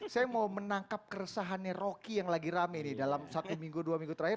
saya mau menangkap keresahannya rocky yang lagi rame nih dalam satu minggu dua minggu terakhir